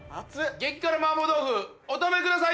激辛麻婆豆腐お食べください。